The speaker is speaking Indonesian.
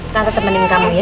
tante temenin kamu ya